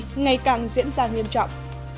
nạn khai thác cát trên sông đồng nai